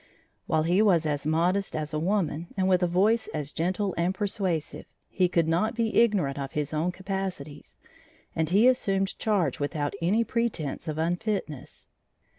While he was as modest as a woman and with a voice as gentle and persuasive, he could not be ignorant of his own capacities, and he assumed charge without any pretense of unfitness.